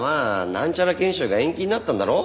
なんちゃら研修が延期になったんだろ？